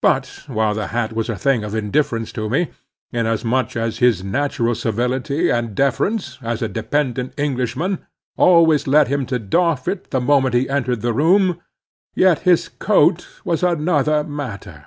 But while the hat was a thing of indifference to me, inasmuch as his natural civility and deference, as a dependent Englishman, always led him to doff it the moment he entered the room, yet his coat was another matter.